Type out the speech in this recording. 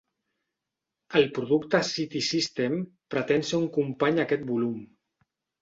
El producte "City System" pretén ser un company a aquest volum.